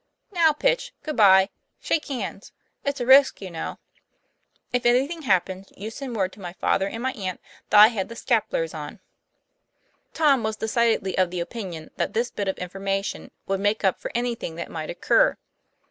"Now, Pitch, good by. Shake hands. It's a risk, you know. If anything happens, you send word to my^father and my aunt that I had the scap'lers on. " Tom was decidedly of the opinion that this bit of information would make up for anything that might occur.